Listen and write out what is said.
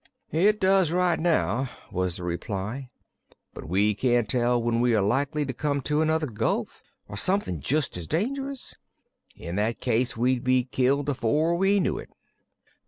"It does right now," was the reply, "but we can't tell when we are likely to come to another gulf, or somethin' jes' as dangerous. In that case we'd be killed afore we knew it."